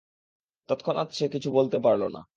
তৎক্ষণাৎ সে কিছু বলতে পারল না।